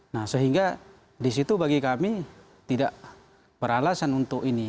nah sehingga disitu bagi kami tidak beralasan untuk ini